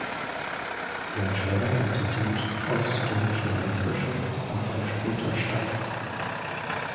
Die Entscheidung um die südostdeutsche Meisterschaft fand dann später statt.